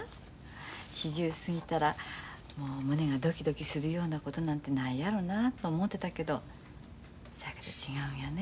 四十過ぎたらもう胸がドキドキするようなことなんてないやろなと思てたけどせやかて違うんやね